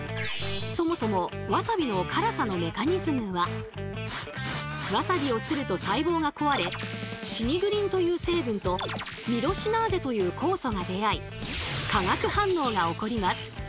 そもそもわさびをすると細胞が壊れ「シニグリン」という成分と「ミロシナーゼ」という酵素が出会い化学反応が起こります。